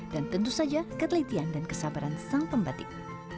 dan tentu saja ketelitian dan kesabaran sang pembatik